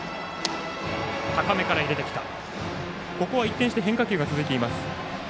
ここは一転して変化球が続いています。